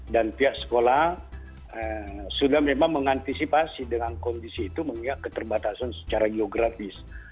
dan pihak sekolah sudah memang mengantisipasi dengan kondisi itu mengingat keterbatasan secara geografis